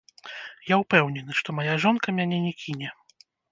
Я ўпэўнены, што мая жонка мяне не кіне.